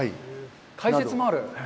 解説もある。